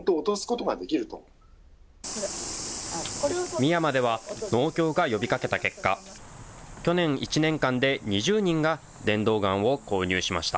美山では、農協が呼びかけた結果、去年１年間で２０人が電動ガンを購入しました。